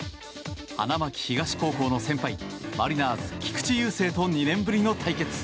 花巻東高校の先輩マリナーズ、菊池雄星と２年ぶりの対決。